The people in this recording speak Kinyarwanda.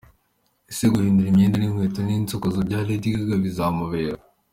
Ese guhindura imyenda n’inkweto n’insokozo bya Lady Gaga bizamubera !.